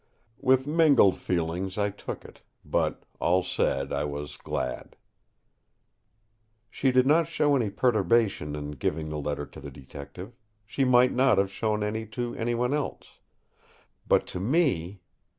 With mingled feelings I took it, but, all said, I was glad. She did not show any perturbation in giving the letter to the Detective—she might not have shown any to anyone else. But to me....